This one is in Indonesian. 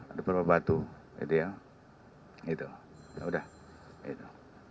ada beberapa batu gitu ya gitu udah gitu